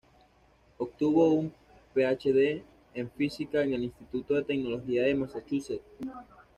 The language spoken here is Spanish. Obtuvo un PhD en física en el Instituto de Tecnología de Massachusetts.